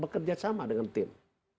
bekerja sama dengan tim